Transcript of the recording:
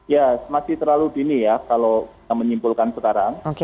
ya masih terlalu dini ya kalau kita menyimpulkan sekarang